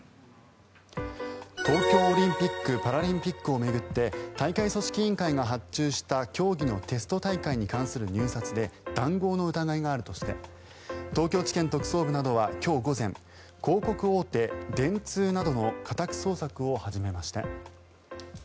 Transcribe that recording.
東京オリンピック・パラリンピックを巡って大会組織委員会が発注した競技のテスト大会に関する入札で談合の疑いがあるとして東京地検特捜部などは今日午前広告大手、電通などの家宅捜索を始めました。